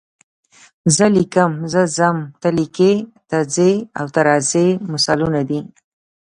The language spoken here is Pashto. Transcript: زه لیکم، زه ځم، ته لیکې، ته ځې او ته راځې مثالونه دي.